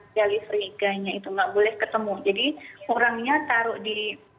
delivery kayaknya itu nggak boleh ketemu jadi orangnya taruh di